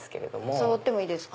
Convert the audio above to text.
触ってもいいですか？